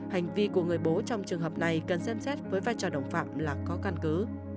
hành vi của người bố trong trường hợp này cần xem xét với vai trò đồng phạm là có căn cứ